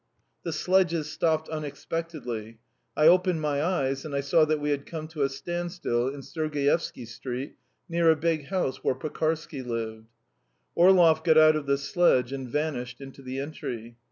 The sledges stopped unexpectedly. I opened my eyes and I saw that we had come to a standstill in Sergievsky Street, near a big house where Pekarsky lived. Orlov got out of the sledge and vanished into the entry.